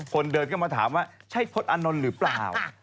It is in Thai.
คนเดินเข้ามาถามว่าใช่พระพระอานทนแมนหรือเปล่า